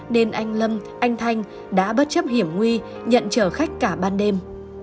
nên anh lâm anh thanh đã bất chấp hiểm nguy nhận chở khách cả ban đêm